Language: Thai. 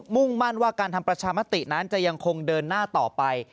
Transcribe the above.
มุ่งมั่นว่าการทำประชามตินั้นจะยังคงเดินหน้าต่อไป